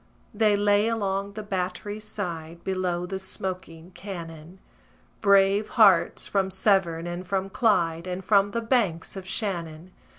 They lay along the battery's side, Below the smoking cannon: Brave hearts, from Severn and from Clyde, And from the banks of Shannon.